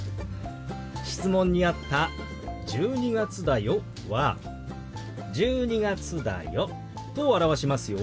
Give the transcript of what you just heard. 質問にあった「１２月だよ」は「１２月だよ」と表しますよ。